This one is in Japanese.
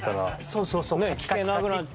そうそうそうカチカチカチって。